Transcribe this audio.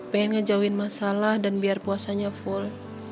pengen ngejauhin masalah dan biar puasanya full